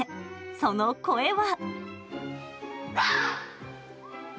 その声は。